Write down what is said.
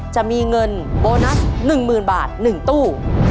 จะมีเงินโบนัส๑๐๐๐บาท๑ตู้